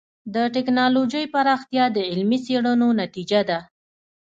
د ټکنالوجۍ پراختیا د علمي څېړنو نتیجه ده.